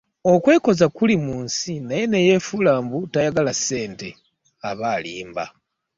okwekoza kuli mu nsi naye n'eyeefuula mbu tayagala ssente aba alimba.